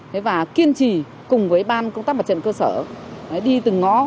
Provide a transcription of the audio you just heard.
thế và kiên trì cùng với ban công tác bật trận cơ sở đi từng ngó